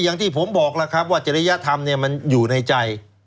อย่างที่ผมบอกล่ะครับว่าเจรยธรรมมันอยู่ในใจ